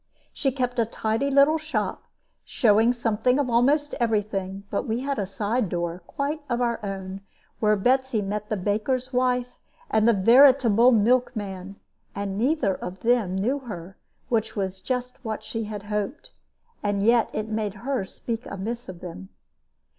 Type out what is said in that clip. She kept a tidy little shop, showing something of almost every thing; but we had a side door, quite of our own, where Betsy met the baker's wife and the veritable milkman; and neither of them knew her, which was just what she had hoped; and yet it made her speak amiss of them.